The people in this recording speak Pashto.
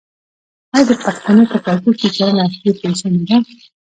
آیا د پښتنو په کلتور کې کرنه اصلي پیشه نه ده؟